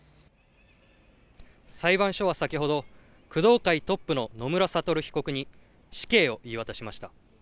裁判所は先ほど、工藤会トップの野村悟被告に、死刑を言い渡しました。